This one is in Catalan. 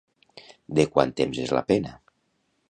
De quant temps és la pena?